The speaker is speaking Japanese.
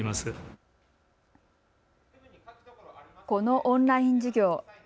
このオンライン授業。